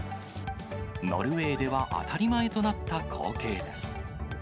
ノルウェーでは当たり前となった光景です。